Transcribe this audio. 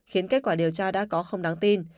khiến kết quả điều tra đã có không đáng tin